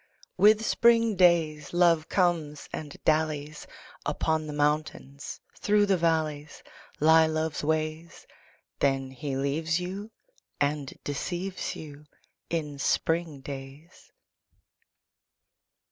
With spring days Love comes and dallies: Upon the mountains, through the valleys Lie Love's ways. Then he leaves you and deceives you In spring days.